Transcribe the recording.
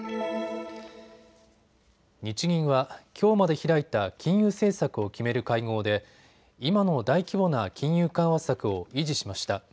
日銀は、きょうまで開いた金融政策を決める会合で今の大規模な金融緩和策を維持しました。